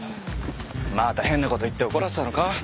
また変なこと言って怒らせたのか？